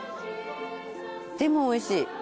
でもおいしい。